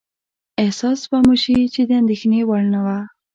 احساس به مو شي چې د اندېښنې وړ نه وه.